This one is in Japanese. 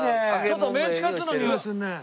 ちょっとメンチカツのにおいするね。